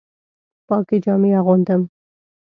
پاکې جامې اغوندم